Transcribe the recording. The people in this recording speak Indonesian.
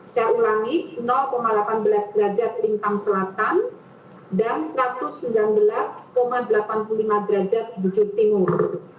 saya ulangi delapan belas derajat lintang selatan dan satu ratus sembilan belas delapan puluh lima derajat bujur timur